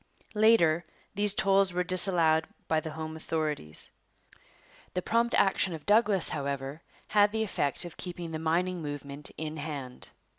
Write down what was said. Later these tolls were disallowed by the home authorities. The prompt action of Douglas, however, had the effect of keeping the mining movement in hand.